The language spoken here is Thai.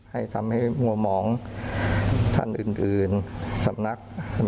ให้ทำให้มั่วมองท่านอื่นสำนัก